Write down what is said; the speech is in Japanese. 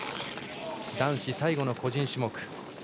男子最後の個人種目。